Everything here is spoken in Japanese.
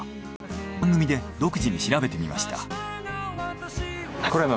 番組で独自に調べてみました。